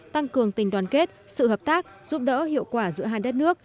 tăng cường tình đoàn kết sự hợp tác giúp đỡ hiệu quả giữa hai đất nước